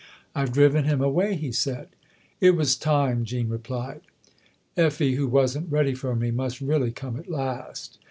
" I've driven him away," he said. " It was time," Jean replied. " Effie, who wasn't ready for me, must really come at last."